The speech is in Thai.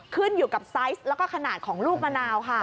ขึ้นอยู่กับไซส์แล้วก็ขนาดของลูกมะนาวค่ะ